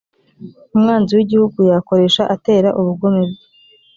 umwanzi w’lgihugu yakoresha atera ubugome bwe‽